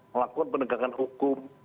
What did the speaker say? melakukan penegakan hukum